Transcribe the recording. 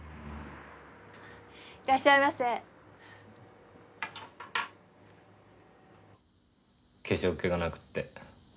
いらっしゃいませ化粧っ気がなくって。